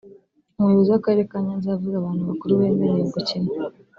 Umuyobozi w’Akarere ka Nyanza yavuze abantu bakuru bemerewe gukina